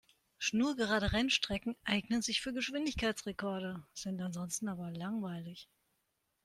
Schnurgerade Rennstrecken eignen sich für Geschwindigkeitsrekorde, sind ansonsten aber langweilig.